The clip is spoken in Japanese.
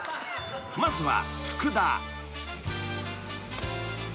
［まずは］